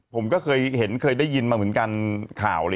ผมก็เคยเห็นเคยได้ยินมาเหมือนกันข่าว